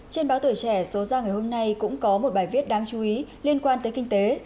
trên báo tuổi trẻ số ra ngày hôm nay cũng có một bài viết đáng chú ý liên quan tới kinh tế